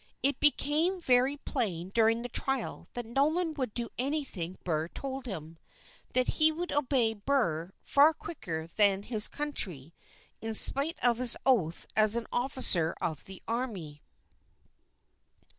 It became very plain during the trial that Nolan would do anything Burr told him; that he would obey Burr far quicker than his country in spite of his oath as an officer of the army.